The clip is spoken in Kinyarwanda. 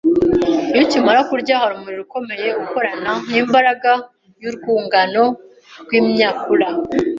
Iyo ukimara kurya, hari umurimo ukomeye ukorana n’imbaraga y’urwungano rw’imyakura.